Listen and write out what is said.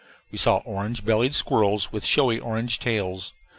We saw orange bellied squirrels with showy orange tails.